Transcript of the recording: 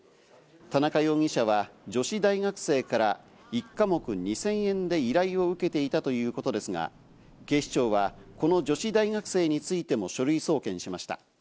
田中容疑者は女子大学生から一科目２０００円で依頼を受けていたということですが、警視庁はこの女子大学生についても書類送検しました。